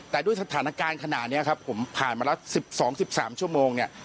แต่ด้วยสถานการณ์ขณะนี้ครับผมผ่านมาแล้ว๑๒๑๓ชั่วโมงเนี่ย